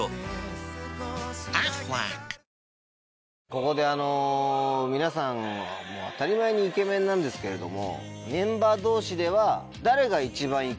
ここで皆さん当たり前にイケメンなんですけれどもメンバー同士では。